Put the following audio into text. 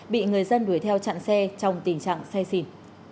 bị người dân đuổi theo chặn xe trong tình trạng say xỉn